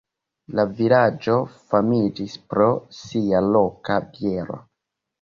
La vilaĝo famiĝis pro sia loka biero.